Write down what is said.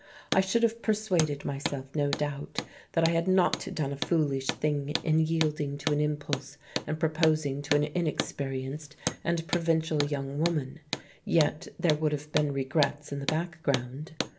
I should have persuaded myself, no doubt, that I had not done a foolish thing in yielding to an impulse and proposing to an inexperienced and provincial young woman, yet there would have been regrets in the background.